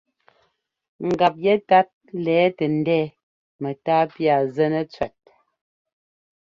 Ngap yɛtát lɛ̌ tɛ ndɛ̌ɛ mɛ́tá pía zɛnɛ cʉɛt.